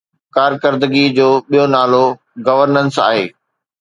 ڪارڪردگي جو ٻيو نالو گورننس آهي.